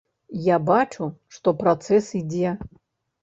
Я бачу, што працэс ідзе.